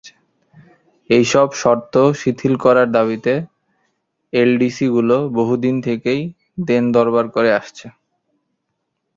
এসব শর্ত শিথিল করার দাবিতে এলডিসিগুলো বহু দিন থেকেই দেন-দরবার করে আসছে।